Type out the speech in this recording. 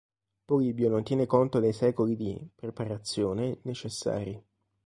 Polibio non tiene conto dei secoli di "preparazione" necessari.